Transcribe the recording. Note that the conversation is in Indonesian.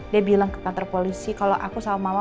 dia bilang ke kantor polisi kalau aku sama mama